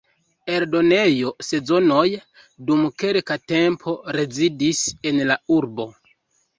Eldonejo Sezonoj dum kelka tempo rezidis en la urbo.